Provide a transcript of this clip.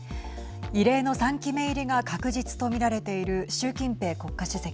異例の３期目入りが確実と見られている習近平国家主席。